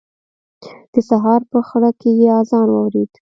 د سهار په خړه کې يې اذان واورېد.